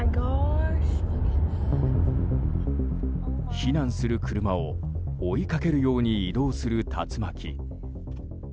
避難する車を追いかけるように移動する竜巻。